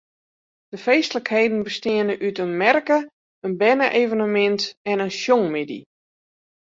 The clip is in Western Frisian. De feestlikheden besteane út in merke, in berne-evenemint en in sjongmiddei.